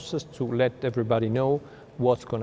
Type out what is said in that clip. các công ty phải biết